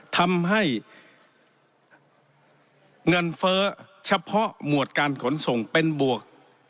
ทำให้เงินเฟ้อเฉพาะหมวดการขนส่งเป็นบวก